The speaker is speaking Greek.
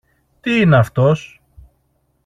Τι είναι αυτός;